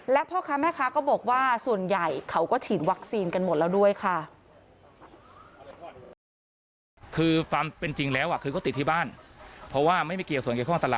และพ่อค้าแม่ค้าก็บอกว่าส่วนใหญ่เขาก็ฉีดวัคซีนกันหมดแล้วด้วยค่ะ